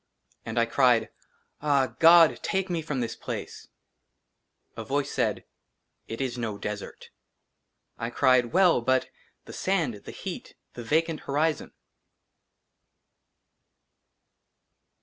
AND I CRIED, " AH, GOD, TAKE ME FROM THIS PLACE !" A VOICE SAID, " IT IS NO DESERT." I CRIED, " WELL, BUT " THE SAND, THE HEAT, THE VACANT HORIZON."